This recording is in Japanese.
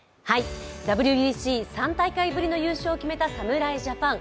ＷＢＣ、３大会ぶりの優勝を決めた侍ジャパン。